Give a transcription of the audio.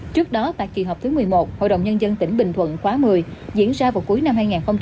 trước đó tại kỳ họp thứ một mươi một hội đồng nhân dân tỉnh bình thuận khóa một mươi diễn ra vào cuối năm hai nghìn hai mươi